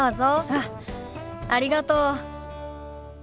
あっありがとう。